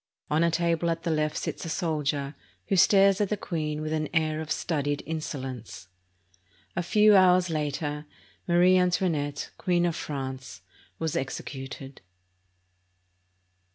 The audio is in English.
On a table at the left sits a soldier, who stares at the queen with an air of studied insolence. A few hours later, Marie Antoinette, Queen of France, was executed.